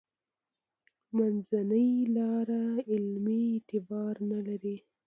منځنۍ لاره علمي اعتبار نه لري.